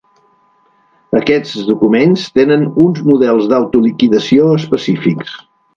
Aquests documents tenen uns models d'autoliquidació específics.